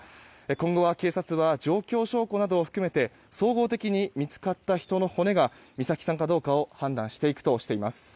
今後は警察は状況証拠などを含めて総合的に見つかった人の骨が美咲さんかどうかを判断していくとしています。